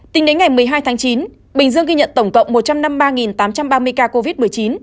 tính đến ngày một mươi hai tháng chín bình dương ghi nhận tổng cộng một trăm năm mươi ba tám trăm ba mươi ca covid một mươi chín